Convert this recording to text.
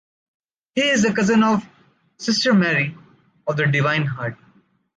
He is the cousin of Sister Mary of the Divine Heart.